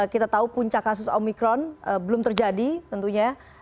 kita tahu puncak kasus omikron belum terjadi tentunya